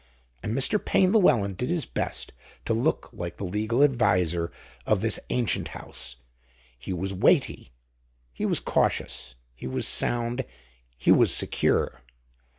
And Mr. Payne Llewelyn did his best to look like the legal adviser of this ancient house. He was weighty, he was cautious, he was sound, he was secure.